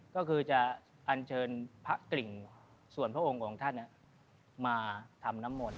ก็คือจะอันเชิญพระกริ่งส่วนพระองค์องค์ท่านมาทำน้ำมนต